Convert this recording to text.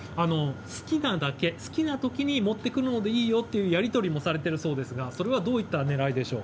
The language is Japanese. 好きなだけ好きなときに持ってくるのでいいよというやり取りもされているようですが、それはどういったねらいでしょうか。